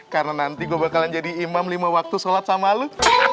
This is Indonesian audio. karena nanti gue bakalan jadi imam lima waktu sholat sama lo